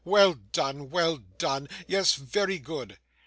'Well done, well done! Yes. Very good.